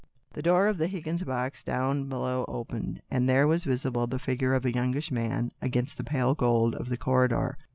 The door of the Higgins' box down below opened, and there was visible the figure of a youngish man against the pale gold of the corridor.